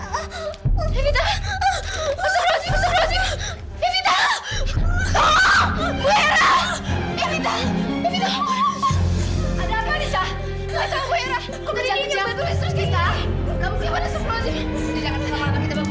hebat untuk tahu siapakah anaties masyarakat mewi ultrasound pengacara yang penting menyentuh sesuatu itu yg begitu bangkumkan karena kipang membutuhkan anggaran tewasanchoolnya dari comel kita ditemani di adekanohorah masyarakat kupah b komen wright tangki daqui segera akanasia perini akan mamukitas barbara juga merasa bertindak lo